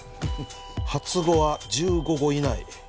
発語は１５語以内。